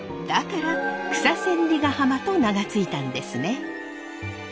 だから草千里ヶ浜と名が付いたんですね。